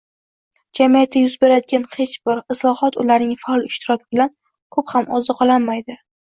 — jamiyatda yuz beradigan hech bir islohot ularning faol ishtiroki bilan ko‘p ham ozuqalanmaydi.